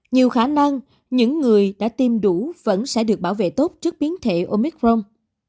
nhiều khả năng những người đã tiêm đủ vẫn sẽ được bảo vệ tốt trước biến thể omicron